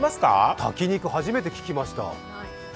炊き肉、初めて聞きました。